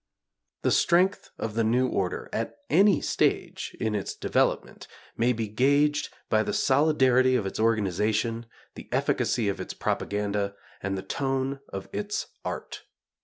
The strength of the new order, at any stage in its development may be gauged by the solidarity of its organization, the efficacy of its propaganda, and the tone of its art.